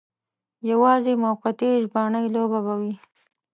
یوازې موقتي ژبنۍ لوبه به وي.